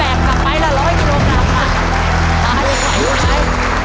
นายยังไหวหรือไม่